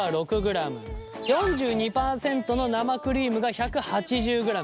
４２％の生クリームが１８０ｇ。